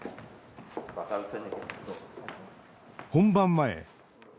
本番前。